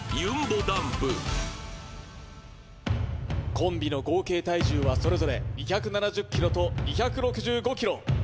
コンビの合計体重はそれぞれ２７０ｋｇと２６５ｋｇ